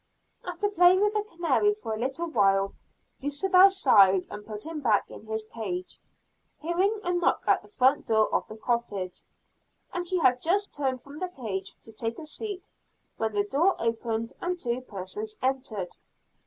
After playing with the canary for a little while, Dulcibel sighed and put him back in his cage, hearing a knock at the front door of the cottage. And she had just turned from the cage to take a seat, when the door opened and two persons entered.